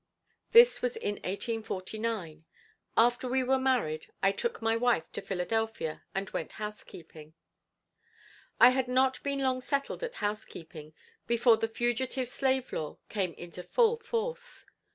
This was in 1849. After we were married, I took my wife to Philadelphia and went housekeeping. I had not been long settled at housekeeping before the Fugitive Slave Law came into full force.